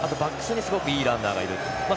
バックスにいいランナーがいる。